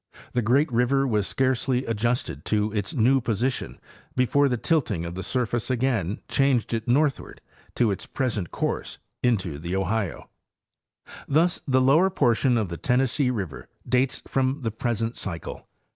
The great river was scarcely adjusted to its new position before the tilting of the surface again changed it northward to its present cotrse into the Ohio. Thus the lower portion of the Tennessee river dates from the present cycle.